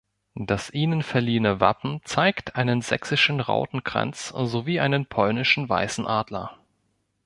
Das ihnen verliehene Wappen zeigt einen sächsischen Rautenkranz sowie einen polnischen weißen Adler.